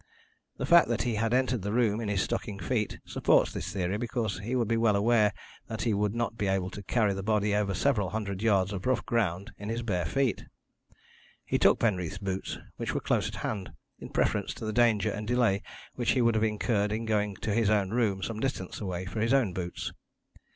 The fact that he had entered the room in his stocking feet supports this theory, because he would be well aware that he would not be able to carry the body over several hundred yards of rough ground in his bare feet. He took Penreath's boots, which were close at hand, in preference to the danger and delay which he would have incurred in going to his own room, some distance away, for his own boots.